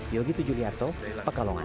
yogi tujuliarto pekalongan